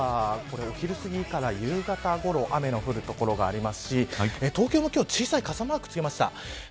今日、東北地方ではお昼すぎから夕方ごろ雨の降る所がありますし東京も今日小さい傘マークをつけました。